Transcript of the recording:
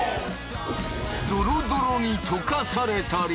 ドロドロに溶かされたり。